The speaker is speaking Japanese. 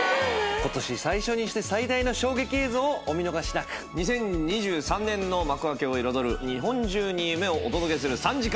今年最初にして最大の衝撃映像をお見逃しなく２０２３年の幕開けを彩る日本中に夢をお届けする３時間